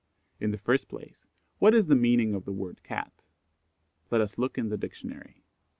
In the first place, what is the meaning of the word "Cat." Let us look in the dictionary.